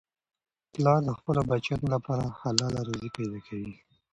پلار د خپلو بچیانو لپاره حلاله روزي پیدا کوي.